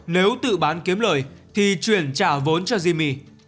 nếu tự bán kiếm lời thì chuyển trả vốn cho zimi